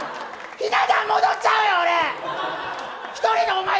ひな壇、戻っちゃうよ俺。